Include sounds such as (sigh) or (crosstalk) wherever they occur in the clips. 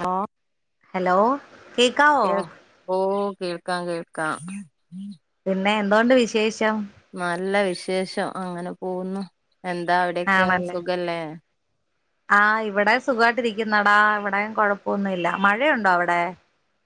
Hello hello കേക്കാവോ കേൾ ഓ കേൾക്കാം കേൾക്കാം ഉം എന്തൊണ്ട് വിശേഷം നല്ല വിഷേ വിശേഷം അങ്ങനെ പോകുന്നു എന്താ അവിടെയക്കെ ആണല്ലേ സുഖല്ലേ ആഹ് ഇവിടെ സുഖായിട്ടു ഇരിക്കുന്നടാ ഇവിടെ കുഴപ്പൊന്നുംല്ല മഴയുണ്ടോ അവിടെ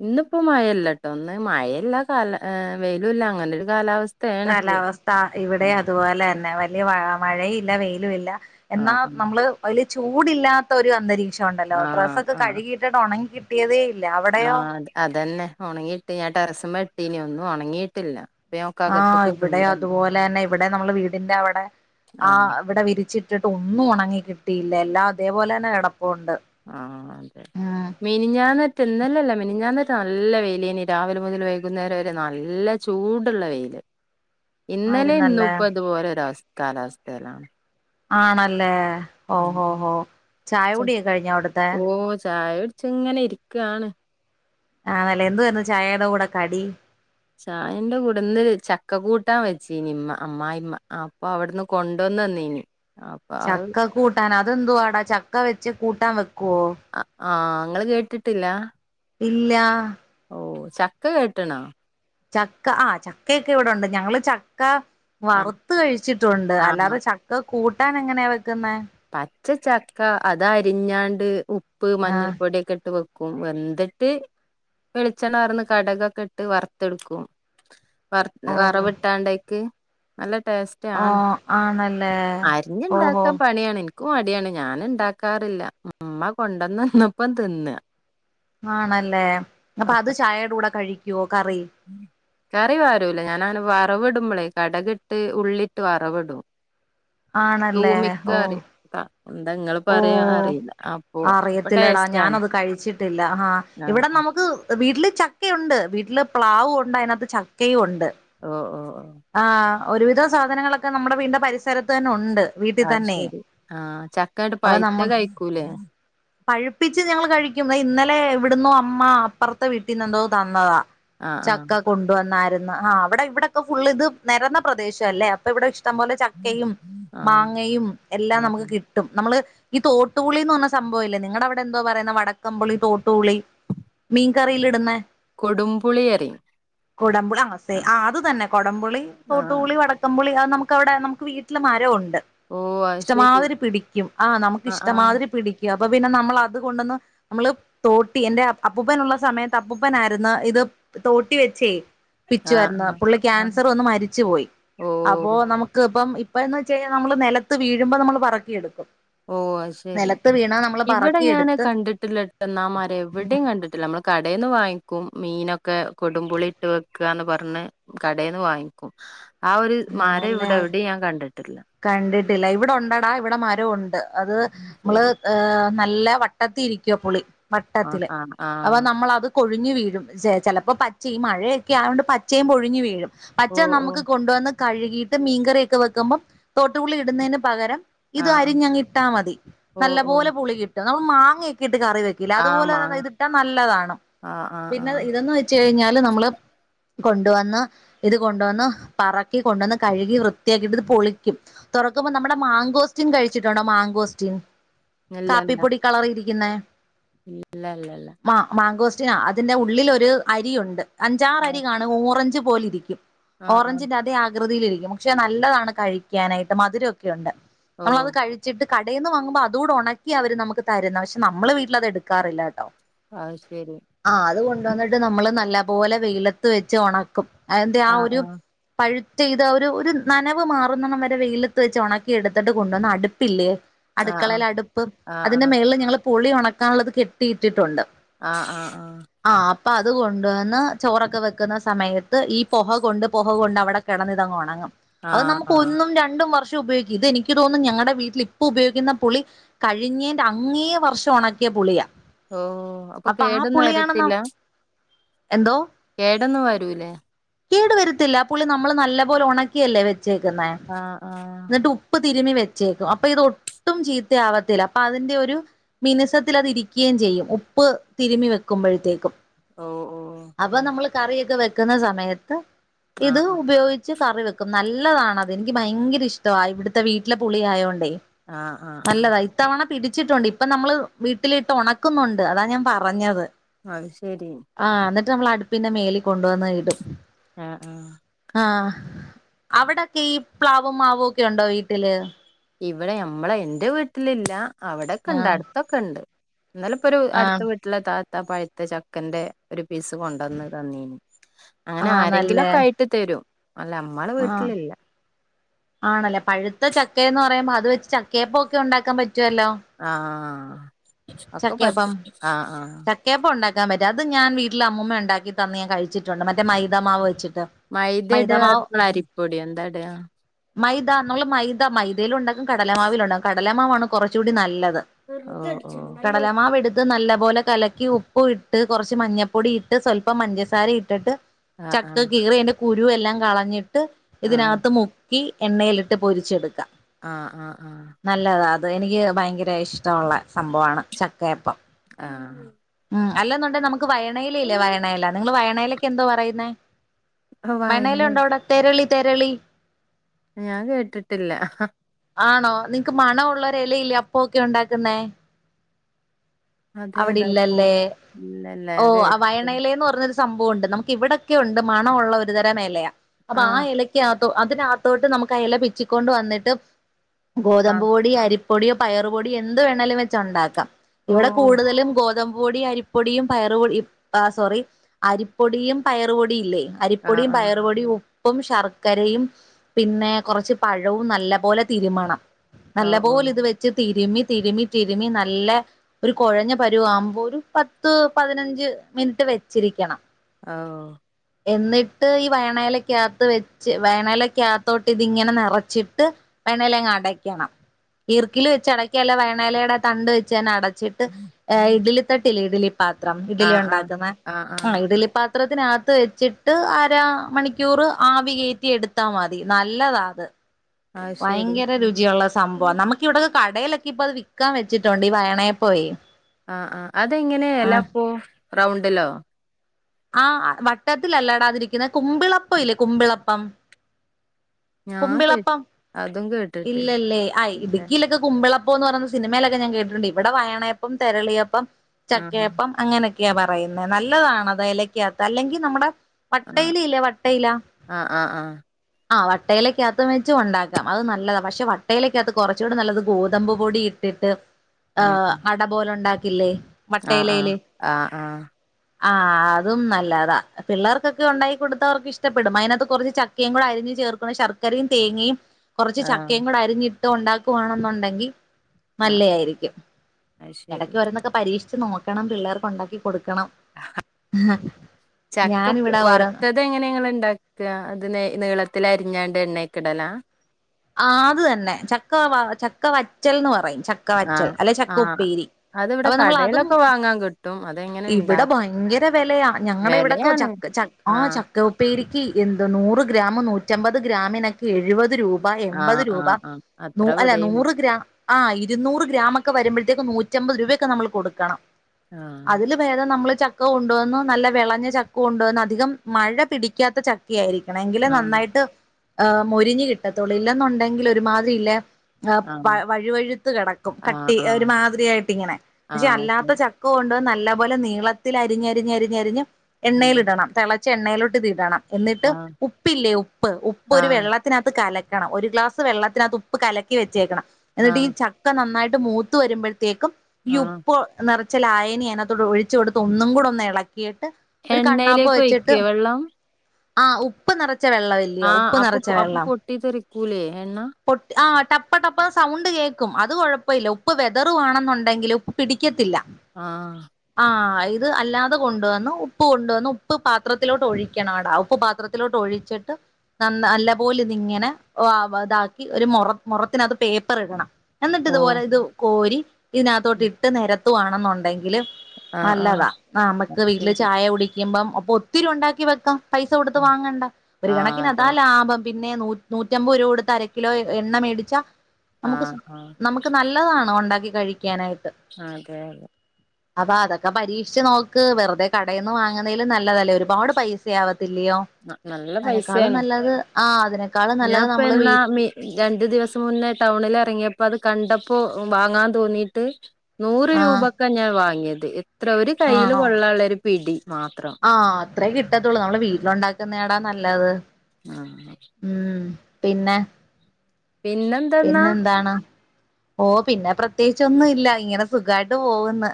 ഇന്നിപ്പോ മഴല്ലട്ടോ ഇന്ന് മഴയില്ല കാല ഏ വെയിലും ഇല്ല അങ്ങനെ ഒരു കാലാവസ്ഥ കാലാവസ്ഥ ഇവിടെ അതുപോലെന്നെ വല്ല്യ മഴയും ഇല്ല വെയിലും ഇല്ല ആ എന്നാ ആ നമ്മള് അതില് ചൂടില്ലാത്ത ഒരു അന്തരീക്ഷം ക്ഷം ഉണ്ടല്ലോ ആ ഡ്രസ്സൊക്കെ കഴുകിയിട്ട്ട് ഉണങ്ങി കി കിട്ടിയതേ ഇല്ല അവിടെയോ ആഹ് അ അതന്നെ ഉണങ്ങി ഇട്ട് ഞാൻ ടെറസിമ്മേൽ ഇ ട്ടിന് ഒന്നും ഉണങ്ങിയിട്ടില്ല അപ്പൊ ഞാൻ ഒക്കെ ആഹ് അകത്തേക്ക് ഇവിടെം കൊണ്ടുവന്നു അതുപോലെ തന്നെ ഇവിടെ നമ്മള് വീടിന്റെ അവിടെ ആ ആഹ് ഇവിടെ വിരിച്ചിട് ചിട്ട് ഒന്നും ഉണങ്ങി കിട്ടിയില്ല എല്ലാം അതേപോലെ തന്നെ കെട മിനിഞ്ഞാന്നിറ്റ് ഇന്നലെയല്ല മിനിഞ്ഞാന്ന്റ്റെ നല്ല വെയിലേയ്നി രാവിലെ മുതൽ വൈകുന്നേരം വരെ നല്ല ചൂടുള്ള വെയില് ഇന്നലെ ഇന്നും ആയിരുന്നല്ലേ പ്പ ഇതുപോലൊരു അവസ് കാലാവസ്തേലാണ് ആണല്ലേ ഓഹോ ഹോ ചായ കുടിയൊക്കെ കഴിഞ്ഞോ അവിട്ത്തെ കുടിച്ചിങ്ങനെ ഇരിക്കാണ് ആണല്ലേ എന്ത് വാരുന്ന് ചായേടെ കൂടെ കടി ചായന്റെ കൂടെന്ന് ചക്ക കൂട്ടാൻ വെച്ചനി ഇമ്മ അമ്മായിമ്മ അപ്പൊ അവിടുന്ന് കൊണ്ടുവന്നു തന്നിനി ചക്ക കൂട്ടാൻ അ അതെന്തുവാട ചക്ക വെച്ച് കൂട്ടാൻ വെ ക്കൊ? ആഹ് ങ്ങള് കേട്ടിട്ടില്ലാ ഇല്ലാ ഓ ചക്ക കേട്ട്ണോ ചക്ക ആ ചക്കയൊക്കെ ഇവിടടൊണ്ട് ഞങ്ങള് ചക്ക ആഹ് വറുത്ത് കഴിച്ചിട്ടുണ്ട് ആഹ് അല്ലാതെ ചക്ക കൂട്ടാൻ എങ്ങനെയാ വെക്കുന്നെ പച്ച ചക്ക അതരിഞ്ഞാണ്ട് ഉപ്പ് ആ മഞ്ഞൾപ്പൊടിയൊക്കെ ഇട്ട് വ വെന്തിട്ട് വെളിച്ചെണ്ണ പാർന്ന് കടുകൊക്കെ ഇട്ട് വറുത്തെടുക്കും ഓ വറവിട്ടാണ്ട് (unintelligible) നല്ല ടേസ്റ്റ് ഓ ആണ് ആണല് അരിഞ്ഞുണ്ടാക്കാൻ പണിയാണ് എനിക് ക്കും മടിയാണ് ഞാൻ ഉണ്ടാക്കാറില്ല മ്മ കൊണ്ടന്ന് തന്നപ്പം തിന്ന് ആണല്ലേ അപ്പൊ അത് ചായേടൂടെ കഴിക്കുവോ കറി വറവിടുമ്പളെ കടുകിട്ട് ഉള്ളിട്ട് വറവിടും ആണല്ലേ തൂമിക്കാ ഓഹ് പറയും. ത എന്താ ഇങ്ങള് ഓ പറയാ അറിയില്ല. അപ്പൊ അപ്പൊ അറിയത്തില്ലടാ ടേസ്റ്റാണ്. ഞാനത് കഴിച്ചിട്ടില്ല ഹാ ആഹ്. ഇവിടെ നമുക്ക് വീട്ടില് ചക്കയുണ്ട് വീട്ടില് പ്ലാവും ഉണ്ട് അതിനകത്ത് ചക്കയും ഉണ്ട് ഓഹ് ഓഹ് ആ ഒരുവിധം സാധനങ്ങളൊക്കെ നമ്മുടെ വീടിൻ്റെ പരിസരത്തന്നെ ഉണ്ട് വീട്ടിൽ ആഹ തന്നെ ശരി ആഹ ചക്ക കട്ട് പൈത്തത് കഴിക്കൂല പഴിപ്പിച്ച് ഞങ്ങൾ കഴിക്കും ഇന്നലെ എവിടന്നോ അമ്മ അപ്പുറത്തെ വീട്ടിൽന്ന് എന്തോ തന്നതാ ആഹ് ആഹ്. ചക്ക കൊണ്ടുവന്നാര് ആഹ അവിടെ ഇവിടെൊക്കെ ഫുൾ ഇത് നിരന്ന പ്രദേശം അല്ലേ അപ്പൊ ഇവിടെ ഇഷ്ടം പോലെ ചക്കയും ആഹ് മാങ്ങയും എല്ലാം ആഹ് ആഹ്. നമുക്ക് കി നമ്മള് ഈ തോട്ടുപുളിന്ന് പറഞ്ഞ സംഭവം ഇല്ലേ നിങ്ങളടെ അവിടെ എന്തോ പറയുന്ന വടക്കപളി തോട്ടുപുളി മീൻകറിൽ ഇടുന്ന കൊടുംപുളി പറയും. കൊടംപുളി ആഹ്. അത് തന്നെ കൊടംപുളി ആഹ്. തോട്ടുപുളി വടക്കംപളി അ നമുക്ക് അവിടെ നമുക്ക് വീട്ടില് മരംമുണ്ട് ഓ അത് ശെരി ആഹ് നമുക്ക് ഇഷ്ടമാതിരി പിടിക്കും അപ്പൊ പിന്നെ നമ്മൾ അത്കൊണ്ടന്ന് നമ്മള് തോട്ടി എൻറെ അപ്പൂപ്പനള്ള സമയത്ത് അപ്പൂപ്പനായിന്ന് ഇത് തോട്ടി വെച്ചേ തിരുച്ചു ആഹ് വരുന്ന ആഹ്. പുള്ളി ആഹ്. ക്യാൻസർ ഒന്ന് മരിച്ചു പോയി ഓഹ്. അപ്പോൊ നമുക്ക് ഇപ്പം അപ്പ എന്ന് വെച്ചാൽ നിലത്ത് വീഴുമ്പൾ നമ്മൾ പറക്കിയടുക്കും ഓ ശെരി ഇവിടെ ഞാൻ പറക്കിയെടുത്ത് കണ്ടിട്ടില്ലട്ടന്നാമാരെ എവിടെയും കണ്ടിട്ടില്ല നമ്മൾ കടൽന്ന് വാങ്ങിക്കും മീനൊക്കെ ഒക്കെ കൊടുപുളി ഇട്ട് വെക്കുകന്ന് പറഞ്ഞ് കടയിൽന്ന് വാങ്ങിക്കും ആ ഒരു മരം ആണല്ലേ ഇവിടെ എവിടെയും ഞാൻ കണ്ടിട്ടില്ല കണ്ടിട്ടില്ല ഇവിടെ ഉണ്ടടാ ഇവിടെ മരംമുണ്ട് അത് ഉം, നമ്മള് ശരി നല്ല നല്ല വട്ടത്തി ഇരിക്കുവ പുളി ആ വട്ടത്തില് ആ ആ അപ്പ നമ്മൾത് കൊണ്ട് പൊഴിഞ്ഞു വീഴും ചിലപ്പോൾ പച്ചയും മഴയൊക്കെ ആുകൊണ്ട് പച്ചയും പൊഴിഞ്ഞഞ് വീഴും ഓ പച്ച ഓ നമുക്ക് കൊണ്ടുവന്ന് കഴുകിയിട്ട് മീൻകറിയൊക്കെ വെക്കുമ്പോം തോട്ടുപുളി ഇടുന്നതിന് പകരം ആ ഇത് ആ അരിഞ്ഞങ് ഇട്ടാ മതി ഓ നല്ല ഓ പോലെ പുളി കിട്ടും നമ്മൾ മാങ്ങൊക്കെട്ട കറി വെക്ക ആ അതുപോലെ തന്നെ മാങ്ങ ഇത് ഇട്ടാ നല്ലതാണ് ആ ആ ആ പിന്നെ ഇതന്ന് വെച്ച് കഴിഞ്ഞാൽ നമ്മള് കൊണ്ട വന്ന ഇത് കൊണ്ടുവന്ന് പറക്കി കൊണ്ടുവന്ന് കഴുകി വൃത്തിയാക്കിട്ട് ഇത് പൊളിക്കും തുറക്കുമ്പോ നമ്മുടെ മാങ്കോസ്റ്റീൻ കഴിച്ചിട്ടുണ്ടോ മാങ്കോസ്റ്റീൻ ഇല്ല ഇല്ല കാപ്പിപ്പൊടി കളർ ഇരിക്ക (unintelligible) ഇല്ല ഇല്ല ഇല്ല റ്റ അതിന്റെ ഉള്ളിലൊരു ഒരു അരി ഉണ്ട് അഞ്ചാറ് അരി കാണും ഓറഞ്ച് പോലിരിക്കും ആഹ് ആഹ് ഓറഞ്ചിന്റെ അതേ ആകൃതിയിലിരിക്കും പക്ഷെ നല്ലതാണ് കഴിക്കാനായിട്ട് മധുരം ഒക്കെ ഉണ്ട് ഓ നമ്മളത് കഴിച്ചിട്ട് കടയി നിന്ന് വാങ്ങുമ്പോ അതൂടെ ഉണക്കി അവര് നമുക്ക് തരുന്ന പക്ഷെ നമ്മള് വീട്ടിൽ അത് എടുറില്ല കേട്ടോ അതുശരി എന്നിട്ട് നമ്മള് നലപോലെ വെയിലത്ത് വെച്ച് ഉണക്കും അയെന്തയ് ആ ഒരു കഴുത്തിത ഒരു ഒരു ഒരു നനവ് മാറുന്നണം വരെ വെയിലത്ത് വെച്ച് ഉണക്കി എടുത്തിട്ട് കൊണ്ടുവന്ന് അടുപ്പില്ലേ ആ ആ അടുക്കളേൽ അടുപ്പ് ആ ആ അതിന്റെ മേളില് ഞങ്ങള് പുളി ഉണക്കാനുള്ളത് കെട്ടിയിട്ടിട്ടുണ്ട് ആ ആ ആ പ്പൊ അത് കൊണ്ടുവന്ന് ചോറൊക്കെ വെക്കുന്ന സമയത്ത് ഈ പൊഹ കൊണ്ട് പൊ ഔ കൊണ്ടവിടെ കിടന്നിതങ്ങൊണങ്ങും ആ ആ അത് ആ നമുക്ക് ഒന്നും രണ്ടും വർഷം റ്റുപയോഗിക്കു ഇതെനിക്ക് തോന്നും ഞങ്ങളുടെ വീട്ടിലിപ്പൊ ഉപയോഗിക്കുന്ന പുളി കഴിഞ്ഞേന്റെ അങ്ങേ വർഷം ഉണക്കിയ പുളിയാ ഓ അപ്പൊ ആ കേടൊന്നും പുളിയാണ് ന വരത്തില്ല എന്തോ കേടന്നും വരൂലേ കേടു വര ത്തില്ല പുള്ളി നമ്മള്‌ നല്ലപോലെ ഉണക്കിയല്ലേ വയ് ച്ചേക്കുന്നേ ആഹ് ആഹ് ന്നിട്ട് ഉപ്പ് തിരുമി വെച്ചേക്കും അപ്പൊ ഇതൊട്ടും ചീത്ത ആവത്തില്ല അപ്പൊ അതിന്റെ ഒരു മിനിസത്തിൽ അതിരിക്കേം ചെയ്യും ഉപ്പ് തിരുമ്മി വെക്കുമ്പോഴത്തേക്കും ഓ ഓ അപ്പൊ നമ്മള് കറിയൊക്കെ വെക്കുന്ന സമയത്ത് ഇത് ആഹ് ഉപയോഗിച്ച് കറി വെ ക്കും നല്ലതാണത് എനിക്ക് ഭയങ്കര ഇഷ്ടവാ ഇവിടുത്തെ വീട്ടിലെ പുളിയായോണ്ടേ ആ ആ ആ പിടിച്ചിട്ടുണ്ട് ഇപ്പൊ നമ്മള് വീട്ടിലിട്ട് ഒണക്കുന്നുണ്ട് അതാ ഞാൻ പറഞ്ഞത് അഹ് ശ ആ ന്നി ത് നമ്മള്‌ അടുപ്പിന്റെ മേലിൽ കൊണ്ടുവന്ന്‌ ഇടും ആ ആ ആ അവിടൊക്കെ ഈ പ്ലാവും മാവൊക്കെയൊണ്ടോ വീട്ടില് ഇവിടെ നമ്മളെ ന്റെ വീട്ടിലില്ല അവിടെക്കെണ്ട് ആഹ് അടുത്തൊക്കെണ്ട് ന്നലെപ്പൊരു അടുത്ത ആഹ് വീട്ടുള്ള ത ത്ത പഴുത്ത ചക്കന്റെ രു ഒരീസം കൊണ്ടൊന്ന് തന്നീന് അങ്ങനെ ആരെങ്കിലൊക്കായിട്ട് തരും അല്ല നമ്മളെ ആ വീട്ടിലില്ല ആണല്ലേ പഴുത്ത ചക്കേന്ന് പറയുമ്പോ അത് വെച്ച് ചക്കയപ്പൊക്കെണ്ടാക്കാം പറ്റും ആ ഒക്കെ പച്ച ആ ആ ക്കാ പറ്റ അത് ഞാൻ വീട്ടിൽ അമ്മുമ്മാ ഉണ്ടാക്കി തന്ന് ഞാൻ കഴിച്ചിട്ടുണ്ട് മറ്റെ മൈതാ മാവ് വെച്ച്ട്ട് മൈദ ഇടുവോ അതോ അരിപ്പൊടിയ എന്താ ഇടുക മൈദ നമ്മൾ മൈദ മൈദയില് ഉണ്ടാക്കും കടലമാവിൽ ഉണ്ടകും കടലമാവണ് കുറച്ച്ചു കൂടി നല്ലത് ഹ ഓ കടലമാവ് എടുത്ത് നല്ല നല്ലപോലെ കലക്കി ഉപ്പും ഇട്ട് കുറച്ച് മാഞ്ഞപ്പൊടി ഇട്ട് സ്വല്പ്പം പഞ്ചസാര ഇട്ടിട്ട് ആഹ് ചക്ക ആഹ് കിറിന് കുരു എല്ലാം കളഞ്ഞ ഇത് ആഹ് ഇതിനകത്ത് മൂ മൂക്കി എണ്ണയിലിട്ട് പൊരിച്ചെടുക്കാം ആഹ് ആഹ ആഹ നല്ലതാ അത് എനിക്ക് ഭയങ്കര ഇഷ്ടമുള്ള സംഭവമാണ് ചക്കയപ്പം ആ ഉ അല്ലന്നോണ്ടെ നമക്ക് വയനയില ഇല്ല വയനയില നിങ്ങൾ വയനയില ക്ക് എന്താ പറയുന്നേ വായന ഇല ഉണ്ടോ അവിടെ തെരളി തെരളി ഞാൻ കേട്ടിട്ടില്ല ആണോ നിക്ക് മണള്ളവര് ഇലയില്ലേ അപ്പൊക്കെ ഉണ്ടാക്കുന്നേ അവിടെ അതേതാപ്പോ ഇല്ലല്ലേ ഇല്ലല്ല ഓ ഞാൻ കേട്ടിട്ടില്ല വയണയിലേന്ന് പറഞ്ഞൊരു സംഭവൂണ്ട് നമുക്ക് ഇവിടൊക്കെ ഉണ്ട് മണ ഉള്ള ഒരുതരം എലയ അപ്പൊ ആ ഇലക്ക് ആ അതിനകത്തോട്ട് നമുക്ക് അ എല പിച്ചിക്കൊണ്ട് വന്നിട്ട് ആ ഗോതമ്പ് പൊടി അരിപ്പ പൊടിയോ പയറ് പൊടിയോ എന്ത് വേണേലും വച്ച് ഉണ്ടാക്കാം ഇവിടെ ഓ കൂടുതലും ഗോതമ്പ പൊടി അരിപ്പൊടിയും പയറു പൊടി ആ സോറി അരിപ്പൊടിയും പയറു പൊടിം ഇല്ലേ ആ അരിപ്പൊടിയും ആ പയറു പൊടിയും ഉ പ്പും ശർക്കരയും പിന്നെ കൊറച്ച് പഴവും നല്ല പോലെ തിരുമ്മണം ഓ ഓ നല്ലപോലിത് വെച്ച് തീ തിരുമ്മി തിരുമ്മി തിരുമ്മി നല്ല ഒരു കൊഴഞ്ഞ പരുവ ആവുമ്പോ ഒരു പത്ത് പതിനഞ്ച് മിനിറ്റ് വെച്ചിരിക്കണം അ ഓഹ് എന്നിട്ട് ഈ വയണേലക്കകത്ത് വെച്ച് വയണേലക്കകത്തോട്ട് ഇത് ഇങ്ങനെ നെറച്ചിട്ട് വയണേലയങ്ങ് അടക്കണം ഇർക്കില് വെച്ച് അടക്കയല്ല വയണേലയുടെ തണ്ട് വെച്ച്തന്നെ അടച് ട്ട് ഏ ഇഡ്ഢലി തട്ടില്ലേ ഇഡ്ഢലി പാത്രം ആ ഇഡ്ഢലി ആ ഉണ്ടാക്കുന്നെ ആ ഇഡ്ഢലി പാ പാത്രത്തിനകത്ത് വെച്ചിട്ട് അര മണിക്കൂറ് ആവി കേറ്റി എടുത്താ മതി നല്ലതാ അത് അത് ശരി ഭയങ്കര രുചിയുള്ള സംഭവാ നമുക്ക് ഇവിടെ കടേലൊക്കെ ഇപ്പൊ അത് വിക്കാൻ വെച്ചിട്ടുണ്ട് ഈ വയണേപ്പവേ ആ ആ അതെങ്ങനെയാ എലാപ്പോ റൗണ്ടിലോ ആ വട്ടത്തിലല്ലേടാതിരിക്കുന്നെ കുമ്പിളപ്പം ഇല്ലേ കുമ്പിളപ്പം ഞാൻ കേ കുമ്പിളപ്പം അതും കേട്ടിട്ടില്ല ഇല്ലല്ലേ ആ ഇല്ല ഇടുക്കിയിലൊക്കെ കുമ്പിളപ് അപ്പോ എന്ന് പറയുന്നെ സിനിമേലൊക്കെ ഞാൻ കേട്ടിട്ടുണ്ട് ഇവിടെ വയണേപ്പം തെരളിയപ്പം ആ ചക്കയപ്പം അങ്ങനൊ ക്ക്യാ പറയുന്നെ നല്ലതാണത് എലയ്ക്കാത്ത് അല്ലെങ്കി നമ്മടെ ആ വട്ടയില ഇല്ലേ വട്ടയിലാ ആ ആ ആ ആഹ് ആ വട്ടയിലക്കാത്തും വെച്ചും ഉണ്ടാക്കാം അത് നല്ലതാ പക്ഷെ വട്ടയിലക്കാത്ത് കുറച്ചൂടെ നല്ലത് ഗോതമ്പ് പൊടി ഇട്ടിട്ട് ആ അട പോലൊണ്ടാക്കി ഇല്ലേ ആ ആ ആ ആഹ് ആ അതും നല്ലതാ പിള്ളേർക്കൊക്കെ ഒണ്ടാക്കി കൊടുത്താ അവർക്കിഷ്ടപ്പെടും അതിനാത്ത് കൊറച്ച് ച ക്കയും കൂടെ അരിഞ്ഞ് ചേർക്കുന്നു ശർക്കരയും തേങ്ങയും കൊറച്ച് ആ ചക്കേം കൂടരിഞ്ഞി ഇട്ടൊണ്ടാക്കുവാണെന്നൊണ്ടെങ്കി ആ നല്ലെ ആയിരിക്കും അത് ശരി എടയ്ക്ക് ഓരോന്നൊക്കെ പരീക്ഷിച്ച് നോക് ണം പിള്ളേർ കൊണ്ടാക്കി ചക്ക ഞാനിവിടെ ഓരോ വറുത്തത എങ്ങനെ ങ്ങ ഉണ്ടാക്കുക അത് നീളത്തിലായി തിഞ്ഞാണ്ട് എണ്ണക്കിടലാ അത് തന്നെ ചക്ക വ ചക്ക വച്ചൽന്ന് പറയും ചക്ക വറ്റൽ ആഹ് അല്ലെ ചക്ക ആഹ ഉപ്പേരി അത് ഇവിടെ അപ്പൊ നമ്മൾ അതും കടയിലൊക്കെ വാങ്ങാൻ കിട്ട ഇവിടെ ഭയങ്കര വിലയാ ഞങ്ങളടെ ഇവിടെൊക്കെ ച വെലയാണ്. ച ആ ആഹ് ചക്ക ഉപ്പേ എ നൂറ് ഗ്രാമും നൂറ്റമ്പത് ഗ്രാമിനൊക്കെ എഴുപത് രൂപ രപ എൺപത് ആഹ് രൂപ ആഹ് ആഹ് ന അത്ര അല്ല ഇവിടെയുണ്ട്. നൂറ് ഗ്രാം ആ ഇരൂറ് ഗ്രാമൊക്കെ വരുമ്പോഴ്ത്തേക്കും നൂറ്റമ്പത് രൂപയൊക്കെ നമ്മൾ കൊടുക്കണം ആഹ് അതില് ഭേദം നമ്മള് ചക്ക കൊണ്ടുവന്നു നല്ല വിളഞ്ഞ ചക്ക കൊണ്ടുവന്നു അധികം മഴ പിടിക്കാത്ത ചക്ക ആയിരി ക്കണം എങ്കില് ആഹ് നന്നായിട്ട് ആ മൊരിഞ് കിട്ടത്തുള്ളൂ ഇല്ലെന്നുണ്ടെങ്കിൽ ഒരുമാതിരി ഇല്ലേ ആ പ ആഹ് വഴുവഴുത്ത് കിടക്കും ആഹ് കട്ടി ആഹ് ഒരുമാതിരിയായിട്ട് ഇങ്ങനെ പക്ഷെ ആഹ് അല്ലാത്ത ശരി. ച്ച നല്ല പോലെ നീളത്തിൽ അരിഞ്ഞരിഞ്ഞരിഞ്ഞരിഞ്ഞ് ഉം എണ്ണയില് ഇടണം തിള ച്ചെണ്ണയിലോട്ട് ഇത് ഇടണം എന്നിട്ട് ആഹ് ഉപ്പില്ലേ ഉപ്പ് ഉപ്പ് ഒരു ആഹ് വെള്ളത്തിനാത്ത് കല ണം ഒരു ഗലാസ് വെള്ളത്തിനാത്ത് ഉപ്പ് കലക്കി വെച്ചേക്കണം എന്നിട്ട് ഈ ആഹ് ചക്ക നന്നായി മൂത്ത് വരുമ്പോഴ ത്തേക്കും ഈ ആഹ് ഉപ്പ് നറ ച്ച ലായയനി അയിനത്തോട് ഒഴിച്ച് കൊടുത്ത് ഒന്നും കൂട ഒന്ന് ഇള എണ്ണയിലേക്ക് ഒഴിക്ക വെള്ളം ആ ഉപ്പ് നിറ ച്ച വെള്ളം ഇല്ലയോ ഉപ്പ് നിറച്ച വെള്ളം ക്കൂലേ പൊട്ട് ആ ടപ്പ ടപ്പ സൗണ്ട് കേൾക്കും അത് കുഴപ്പമില്ല ഉപ്പ് വെതറ് വേണെന്നുണ്ടെങ്കിൽ ഉപ്പ് പിടിക്കത്തില്ല ആഹ് ആ ഇത് അല്ലാതെ കൊണ്ടുവന്ന് ഉപ്പ് കൊണ്ടുവന്ന് ഉപ്പ് പാത്രത്തിലോട്ട് ഒഴിക്കണം അടാ ഉപ്പ് പാത്രത്തിലോട്ട് ഒഴിച്ചിട്ട് ന നല്ലപലെ ഇത് ഇങ്ങനെ വാ ഇതാ ക്കി ഒരു മു മുറത്തിനാത്ത് പേപ്പർ ഇടണം എന്നിട്ട് ഇതുപോലെ ഓഹ് ഇത് കോരി ഇതിനകത്തോട്ട് ഇട്ട് നിര ത്തു ആ ണെന്നുണ്ടെങ്കില് ആഹ് ആഹ് നല്ലതാ നമുക്ക് അത് വീട്ടില് ശരി. ചായ കുടിക്കുമ്പം അപ്പൊ ഒത്തിരി ഉണ്ടാക്കി വെക്കാം പൈസ കൊടുത്ത് ആഹ് വാങ്ങണ്ട ഒരു ആഹ് കണക്കിനതാ അതെ ലാഭം പിന്നെ നൂ നൂറ്റമ്പത് രൂപൊട്ത് അരയ് കിലോ എണ്ണ മേടിച്ചാ നമുക്ക് ആഹ് ആഹ് നമുക്ക് നല്ലതാണ് ഉണ്ടാക്കി കഴിക്കാനായി അതെ അതെ അപ്പൊ അതൊക്കെ പരീക്ഷിച്ച് നോക്ക് വെറുതെ കടയി നിന്ന് വാങ്ങുന്നതിൽ നല്ലതല്ലേ ഒ പാട് പൈസയാവ ല്ലോ നല്ല അതിനെക്കാളും പൈസയാണ് നല്ലത് ആഹ് അതിനേക്കാളും ഞാൻ നല്ലത് ഇപ്പ നമ്മള് വീ എന്നാ മി രണ്ടു ദിവസം മുന്നേ ടൗണിൽ ഇറങ്ങിയപ്പോ അത് കണ്ടപ്പോ വാങ്ങാൻ തോന്നീയിട്ട് നൂറ് ആ രൂപക്ക ഞാൻ വാങ്ങിയത് അത് എ ഇത്ര ഒരു കയ്യില് കൊള്ളാനുള്ള ഒര് പിടി മാത്രം ആഹ് അത്രേ കിട്ടത്തുള്ളൂ നമ്മള് വീട്ടിലുണ്ടാക്കി ന്നേടാ നല്ലത് ആഹ് ഉം പിന്നെ പിന്നെന്തന്നാ പിന്നെന്താണ് ഓ പിന്നെ പ്രത്യേകിച്ച ഒന്നും ഇല്ല ഇങ്ങനെ സുഖായിട്ട് പോകുന്ന്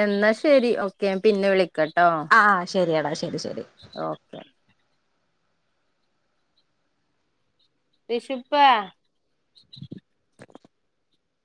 എന്നാൽ ശരി ഓക്കെ പിന്നെ വിളി കെട്ടോ ആ ശരിയടാ ശ ഓക്കെ റിഷുപ്പ